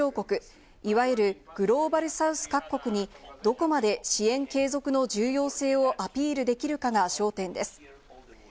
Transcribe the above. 国連で多数を占める新興・途上国いわゆるグローバルサウス各国にどこまで支援継続の重要性をアピールできるかが焦点です。